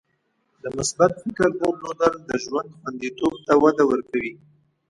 د مثبت فکر درلودل د ژوند خوندیتوب ته وده ورکوي.